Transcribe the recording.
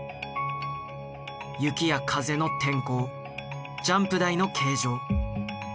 雪や風の天候ジャンプ台の形状。